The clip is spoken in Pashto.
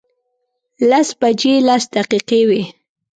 لس بجې لس دقیقې وې.